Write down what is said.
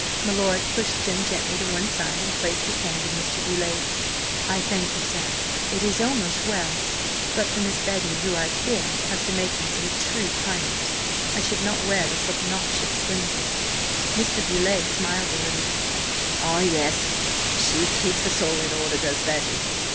My lord pushed Jim gently to one side and placed his hand in Mr. Beauleigh's. "I thank you, sir, it is almost well. But for Miss Betty, who, I fear, has the makings of a true tyrant, I should not wear this obnoxious sling." Mr. Beauleigh smiled a little. "Ah, yes, she keeps us all in order, does Betty.